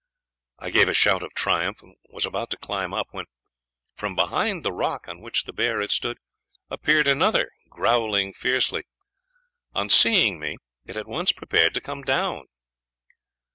I gave a shout of triumph, and was about to climb up, when, from behind the rock on which the bear had stood, appeared another, growling fiercely; on seeing me, it at once prepared to come down.